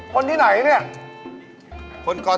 คนที่ไหนเนี่ย